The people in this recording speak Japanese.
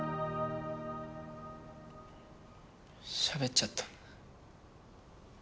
しゃべっちゃった。